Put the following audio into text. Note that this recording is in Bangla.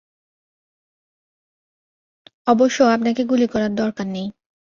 অবশ্য, আপনাকে গুলি করার দরকার নেই।